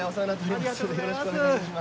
ありがとうございます。